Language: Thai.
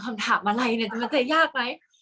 กากตัวทำอะไรบ้างอยู่ตรงนี้คนเดียว